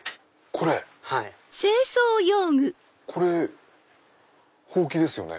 これ⁉これホウキですよね。